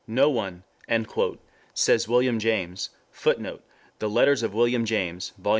"No one," says William James, [Footnote: The Letters of William James, Vol.